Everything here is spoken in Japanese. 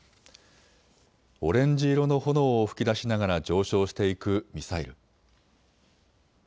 オレンジ色の炎を噴き出しながら上昇していくミサイル。